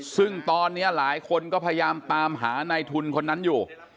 ซึ่งตอนนี้หลายคนก็พยายามตามหาในทุนคนนั้นอยู่